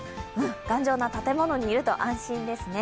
頑丈な建物にいると安心ですね。